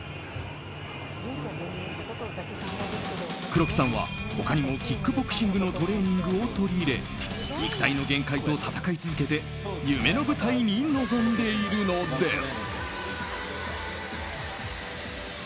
黒木さんは他にもキックボクシングのトレーニングを取り入れ肉体の限界と戦い続けて夢の舞台に臨んでいるんです。